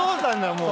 もう。